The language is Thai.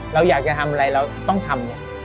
เราอยากจะทำอะไรเราต้องทำเนี่ย